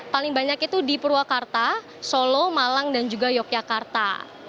paling banyak itu di purwakarta solo malang dan juga yogyakarta